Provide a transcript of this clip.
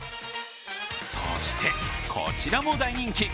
そして、こちらも大人気。